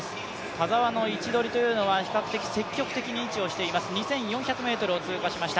田澤の位置取りというのは比較的積極的に位置をしています。